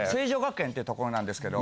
ってところなんですけど。